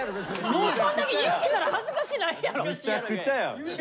もうそんだけ言うてたら恥ずかしないやろ！